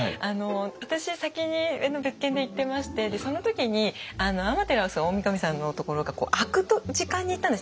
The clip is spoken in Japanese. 私先に別件で行ってましてその時に天照大神さんのところが開く時間に行ったんですね。